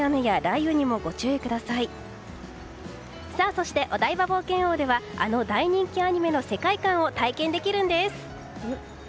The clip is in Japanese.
そしてお台場冒険王ではあの大人気アニメの世界観を体験できるんです。